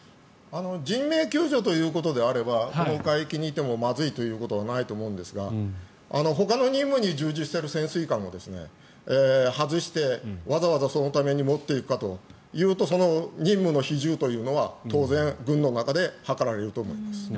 人命救助ということであればこの海域にいてもまずいということはないと思いますがほかの任務に従事している潜水艦を外してわざわざそのために持っていくかというとその任務の比重というのは当然、軍の中で図られると思います。